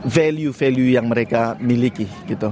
value value yang mereka miliki